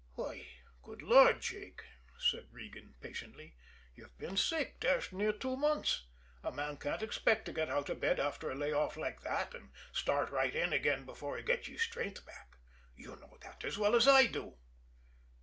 "Why, good Lord, Jake," said Regan patiently, "you've been sick dashed near two months. A man can't expect to get out of bed after a lay off like that and start right in again before he gets his strength back. You know that as well as I do."